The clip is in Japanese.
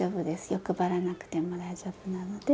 欲張らなくても大丈夫なので。